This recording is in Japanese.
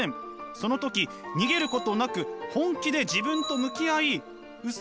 その時逃げることなく本気で自分と向き合いウソ